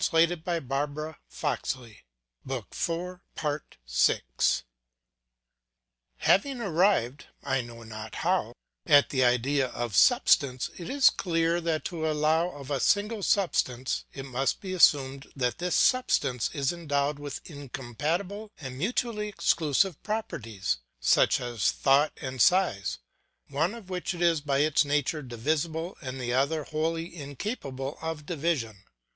Locke's order leads us into this same mistake. Having arrived, I know not how, at the idea of substance, it is clear that to allow of a single substance it must be assumed that this substance is endowed with incompatible and mutually exclusive properties, such as thought and size, one of which is by its nature divisible and the other wholly incapable of division.